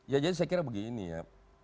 ya jadi saya kira begini ya